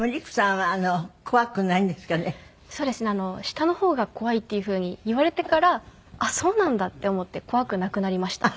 下の方が怖いっていうふうに言われてからあっそうなんだって思って怖くなくなりました。